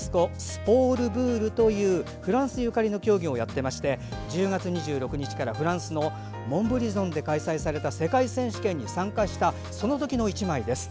スポールブールというフランスゆかりの競技をやっていまして１０月２６日から、フランスのモンブリゾンで開催された世界選手権に参加したその時の１枚です。